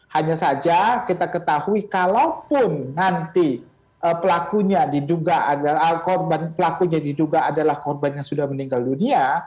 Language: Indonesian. hanya saja kita ketahui kalaupun nanti pelakunya diduga adalah korban yang sudah meninggal dunia